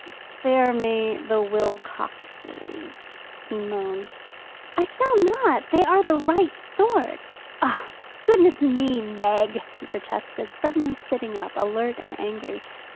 "Spare me the Wilcoxes," he moaned. "I shall not. They are the right sort." "Oh, goodness me, Meg!" he protested, suddenly sitting up, alert and angry.